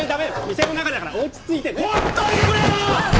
店の中だから落ち着いてほっといてくれよ！